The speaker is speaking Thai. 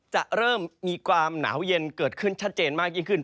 จะเริ่มมีความหนาวเย็นเกิดขึ้นชัดเจนมากยิ่งขึ้น